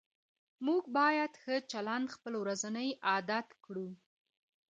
موږ باید ښه چلند خپل ورځنی عادت کړو